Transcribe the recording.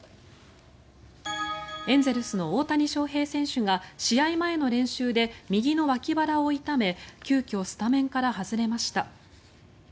エンゼルスの大谷翔平選手が試合前の練習で右のわき腹を痛め急きょスタメンから外れました。